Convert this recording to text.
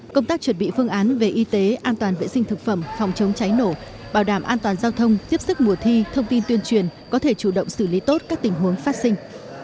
công tác chuẩn bị phương án về y tế an toàn vệ sinh thực phẩm phòng chống cháy nổ bảo đảm an toàn giao thông tiếp sức mùa thi thông tin tuyên truyền có thể chủ động xử lý tốt các tình huống phát sinh